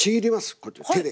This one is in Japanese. こうやって手で。